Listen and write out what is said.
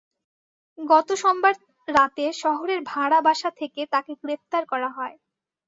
গত সোমবার রাতে শহরের ভাড়া বাসা থেকে তাঁকে গ্রেপ্তার করা হয়।